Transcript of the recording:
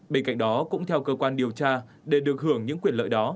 bên cạnh đó cũng theo cơ quan điều tra để được hưởng những quyền lợi đó